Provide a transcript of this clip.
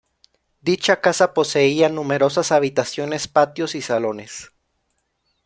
Dicha casa poseía numerosas habitaciones, patios, y salones.